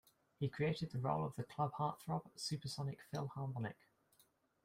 He created the role of the club heart-throb, Supersonic Phil Harmonic.